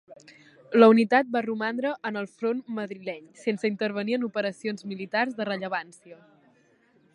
La unitat va romandre en el front madrileny, sense intervenir en operacions militars de rellevància.